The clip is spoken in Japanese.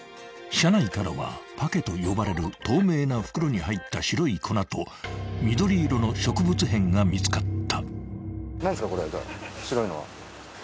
［車内からはパケと呼ばれる透明な袋に入った白い粉と緑色の植物片が見つかった］